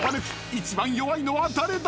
１番弱いのは誰だ！？］